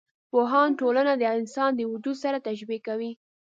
پوهان ټولنه د انسان د وجود سره تشبي کوي.